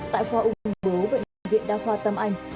tại khoa ung bố bệnh viện đa khoa tâm anh